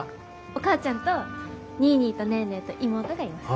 お母ちゃんとニーニーとネーネーと妹がいます。